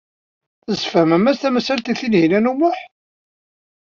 Tesfehmem-as tamsalt i Tinhinan u Muḥ.